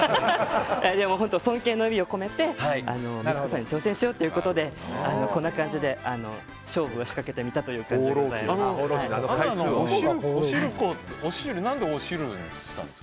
でも尊敬の意味を込めて光子さんに挑戦しようということでこんな感じで勝負を仕掛けてみたという感じで。